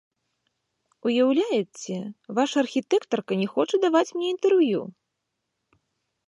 Уяўляеце, ваша архітэктарка не хоча даваць мне інтэрв'ю.